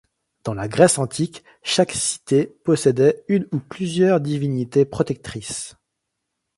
Dans la Grèce antique, chaque cité possédait une ou plusieurs divinités protectrices.